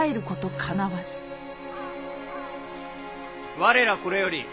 我らこれより本領